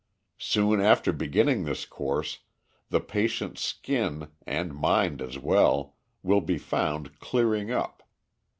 "Soon after beginning this course, the patient's skin, and mind as well, will be found clearing up.